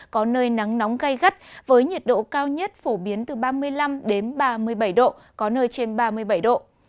có nơi nắng nóng gây gắt với nhiệt độ cao nhất phổ biến từ ba mươi năm đến ba mươi bảy độ có nơi trên ba mươi bảy độ